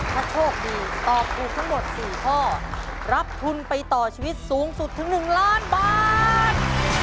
ถ้าโชคดีตอบถูกทั้งหมด๔ข้อรับทุนไปต่อชีวิตสูงสุดถึง๑ล้านบาท